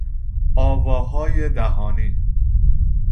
آواهای دهانی